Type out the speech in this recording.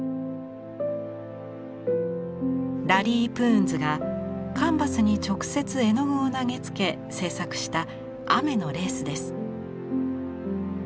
ラリー・プーンズがカンバスに直接絵の具を投げつけ制作した「雨のレース」です。